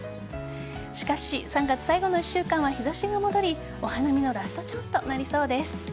しかし３月最後の１週間は日差しが戻りお花見のラストチャンスとなりそうです。